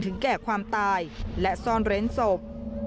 แก่ความตายและซ่อนเร้นศพ